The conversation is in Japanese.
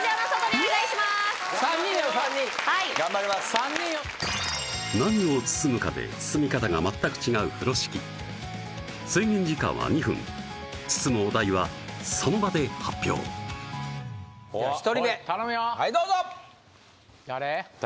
３人よ何を包むかで包み方が全く違う風呂敷制限時間は２分包むお題はその場で発表では１人目はいどうぞ誰？